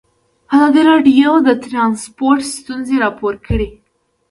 ازادي راډیو د ترانسپورټ ستونزې راپور کړي.